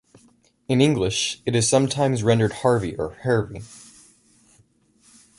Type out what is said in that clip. In English, it is sometimes rendered Harvey or Hervey.